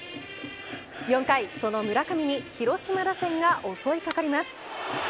４回、その村上に広島打線が襲いかかります。